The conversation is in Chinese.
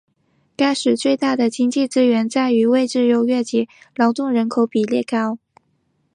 该市最大的经济资源在于位置优越及劳动人口比例高。